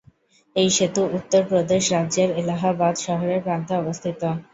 এই সেতু উত্তর প্রদেশ রাজ্যের এলাহাবাদ শহরের প্রান্তে অবস্থিত।